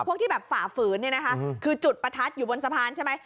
พวกที่แบบฝ่าฝืนเนี่ยนะคะคือจุดประทัดอยู่บนสะพานใช่ไหม